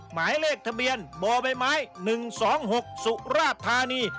หมายเลขทะเบียนบ๑๒๖สุราชธานี